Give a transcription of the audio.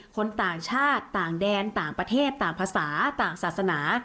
คนต่างชาติต่างแดนต่างประเทศต่างภาษาต่างศาสนา